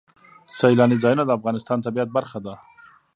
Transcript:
سیلانی ځایونه د افغانستان د طبیعت برخه ده.